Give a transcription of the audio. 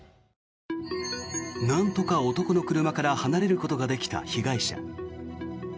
なんとか男の車から離れることができた被害者。